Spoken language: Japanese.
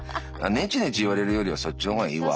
ネチネチ言われるよりはそっちの方がいいわ。